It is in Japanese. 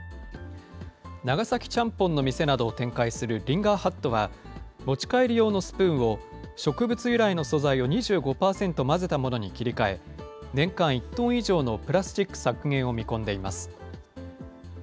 長崎ちゃんぽんの店などを展開するリンガーハットは、持ち帰り用のスプーンを、植物由来の素材を２５％混ぜたものに切り替え、年間１トン以上のプラスチック削減を見込んでいます。